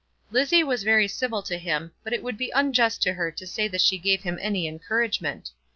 Lizzie was very civil to him, but it would be unjust to her to say that she gave him any encouragement.